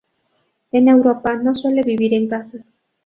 En Europa no suele vivir en casas.